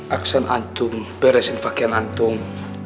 aksan antum beresin bagian antum